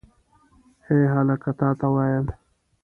هې هلکه تا ته وایم.